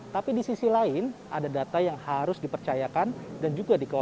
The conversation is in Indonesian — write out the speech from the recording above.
tapi di sisi lain ada data yang harus dipercayakan dan juga dikelola